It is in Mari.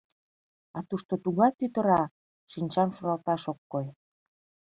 А тушто тугай тӱтыра — шинчам шуралташ ок кой.